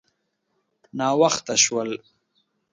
_ناوخته شول.